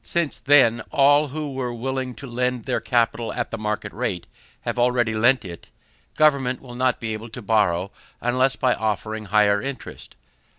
Since, then, all who were willing to lend their capital at the market rate, have already lent it, Government will not be able to borrow unless by offering higher interest.